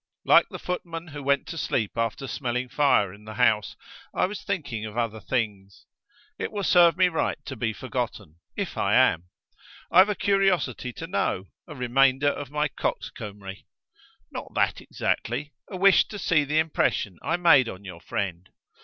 Like the footman who went to sleep after smelling fire in the house, I was thinking of other things. It will serve me right to be forgotten if I am. I've a curiosity to know: a remainder of my coxcombry. Not that exactly: a wish to see the impression I made on your friend.